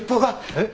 えっ？